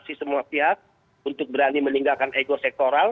pasti semua pihak untuk berani meninggalkan ego sektoral